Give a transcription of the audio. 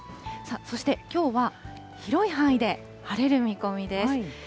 そしてきょうは広い範囲で晴れる見込みです。